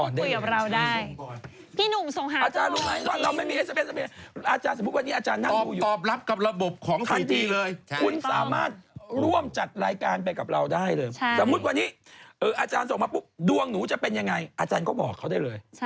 สมมุติวันนี้อาจารย์ส่งมาปุ๊บดวงหนูจะเป็นยังไงอาจารย์ก็บอกเขาได้เลย